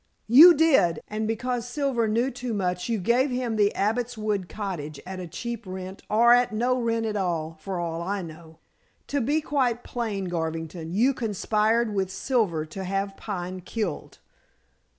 "You did. And because Silver knew too much you gave him the Abbot's Wood Cottage at a cheap rent, or at no rent at all, for all I know. To be quite plain, Garvington, you conspired with Silver to have Pine killed."